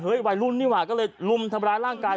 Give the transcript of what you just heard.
เฮ้ยวัยรุ่นนี่หวะก็เลยลุมทำลายร่างกาย